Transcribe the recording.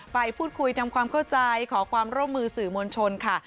ไปพูดคุยทำความเข้าใจขอความร่วมมือสื่อมวลชนค่ะ